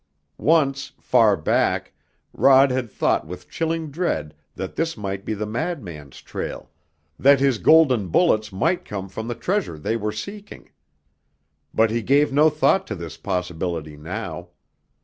Once, far back, Rod had thought with chilling dread that this might be the madman's trail, that his golden bullets might come from the treasure they were seeking. But he gave no thought to this possibility now.